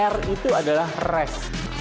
r itu adalah rest